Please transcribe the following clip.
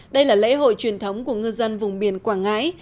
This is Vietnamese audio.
đây là lễ hội truyền thống của ngư dân vùng biển quảng ngãi